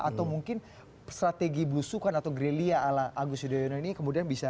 atau mungkin strategi belusukan atau grilia ala agus yudhoyono ini kemudian bisa